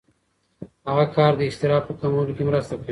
هغه کار د اضطراب په کمولو کې مرسته کوي.